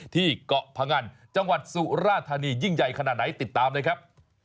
ที่เกาะพงันจังหวัดสุราธานียิ่งใหญ่ขนาดไหนติดตามเลยครับ